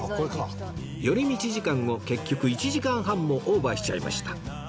寄り道時間を結局１時間半もオーバーしちゃいました